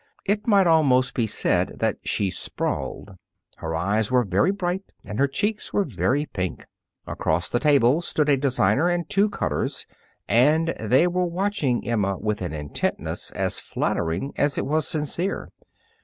It might almost be said that she sprawled. Her eyes were very bright, and her cheeks were very pink. Across the table stood a designer and two cutters, and they were watching Emma with an intentness as flattering as it was sincere.